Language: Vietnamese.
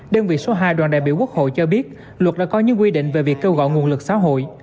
đơn vị số hai đoàn đại biểu quốc hội cho biết luật đã có những quy định về việc kêu gọi nguồn lực xã hội